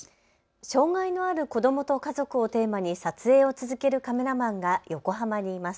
障害のある子どもと家族をテーマに撮影を続けるカメラマンが横浜にいます。